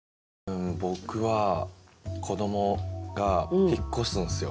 多分僕は子どもが引っ越すんすよ。